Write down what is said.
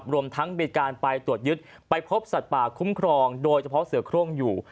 รวมทั้งมีการไปตรวจยึดไปพบสัตว์ป่าคุ้มครองโดยเฉพาะเสือโครงอยู่